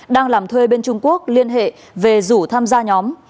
đang làm thuê bên trung quốc liên hệ về rủ tham gia nhóm